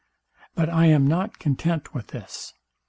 But I am not content with this.